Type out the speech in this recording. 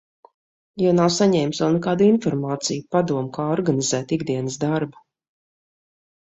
Jo nav saņēmis vēl nekādu informāciju, padomu, kā organizēt ikdienas darbu.